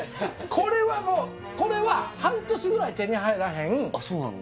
これはもうこれは半年ぐらい手に入らへんあそうなの？